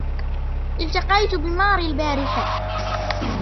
التقيت بماري البارحة.